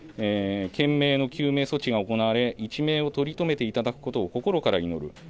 懸命の救命措置が行われ一命を取り留めていただくことを心から祈る。